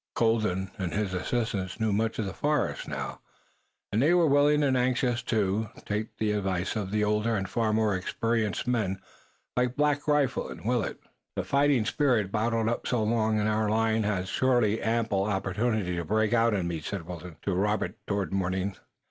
Colden and his assistants knew much of the forest now, and they were willing and anxious, too, to take the advice of older and far more experienced men like Black Rifle and Willet. "The fighting spirit bottled up so long in our line has surely ample opportunity to break out in me," said Wilton to Robert toward morning.